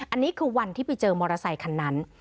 อันนี้คือวันที่ไปเจอมอเตอร์ไซคันนั้น